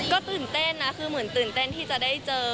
ก็ตื่นเต้นนะคือเหมือนตื่นเต้นที่จะได้เจอ